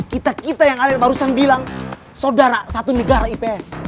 kita kita yang ada barusan bilang saudara satu negara ips